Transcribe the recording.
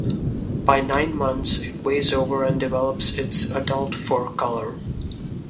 By nine months, it weighs over and develops its adult fur colour.